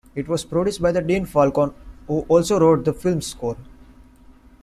It was produced by Dean Falcone, who also wrote the film's score.